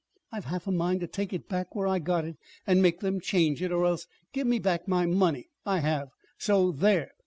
I've half a mind to take it back where I got it, and make them change it, or else give me back my money. I have, so there!"